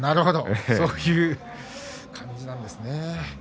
そういう感じなんですね。